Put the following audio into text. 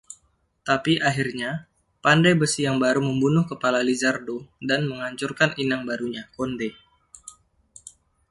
Tapi akhirnya, Pandai besi yang baru membunuh kepala Lizardo dan menghancurkan inang barunya, Konde.